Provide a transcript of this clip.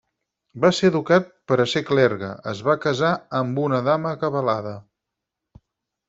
Va ser educat per a ser clergue, es va casar amb una dama acabalada.